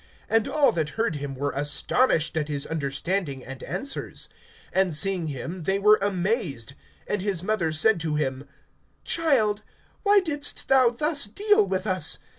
(47)And all that heard him, were astonished at his understanding and answers. (48)And seeing him they were amazed. And his mother said to him: Child, why didst thou thus deal with us?